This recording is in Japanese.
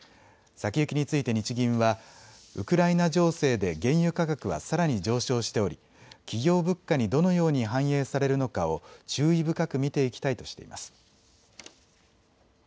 先行きについて日銀はウクライナ情勢で原油価格はさらに上昇しており企業物価にどのように反映されるのかを注意深く見ていきたいとしています。